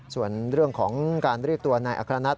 ส่วนเรื่องของการเรียกตัวนายอัครนัท